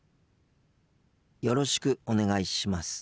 よろしくお願いします。